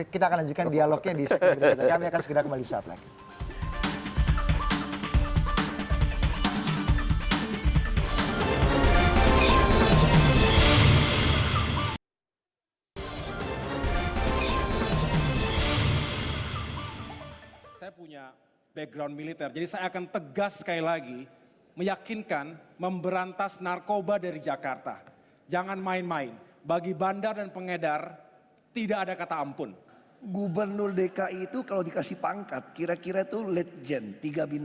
kita akan lanjutkan dialognya di sekolah pemerintah kami akan segera kembali saat lain